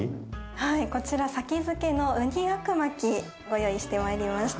はいこちら先付けの雲丹あくまきご用意してまいりました。